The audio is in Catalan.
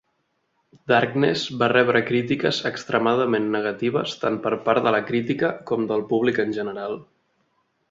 "Darkness" va rebre crítiques extremadament negatives tant per part de la crítica com del públic en general.